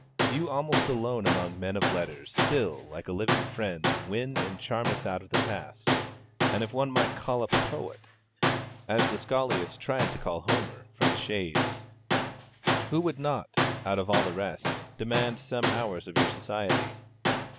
You, almost alone among men of letters, still, like a living friend, win and charm us out of the past; and if one might call up a poet, as the scholiast tried to call Homer, from the shades, who would not, out of all the rest, demand some hours of your society?